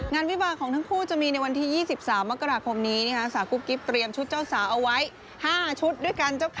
วิบาของทั้งคู่จะมีในวันที่๒๓มกราคมนี้สาวกุ๊กกิ๊บเตรียมชุดเจ้าสาวเอาไว้๕ชุดด้วยกันเจ้าค่ะ